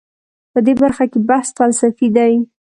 په دې برخه کې بحث فلسفي دی.